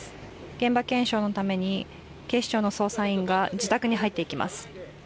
現場検証のために警視庁の捜査員が自宅に入っていきます